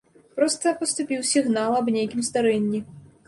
Проста паступіў сігнал аб нейкім здарэнні.